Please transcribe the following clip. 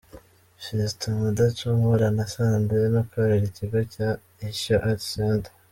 Fiston Mudacumura na Sandrine ukorera ikigo cya Ishyo Arts Center.